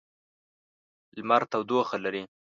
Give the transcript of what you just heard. لمر تودوخه لري.